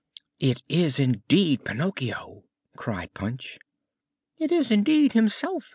"It is indeed Pinocchio!" cried Punch. "It is indeed himself!"